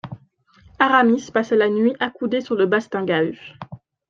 Aramis passa la nuit accoudé sur le bastingage.